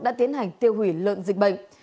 đã tiến hành tiêu hủy lợn dịch bệnh